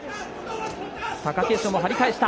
貴景勝も張り返した。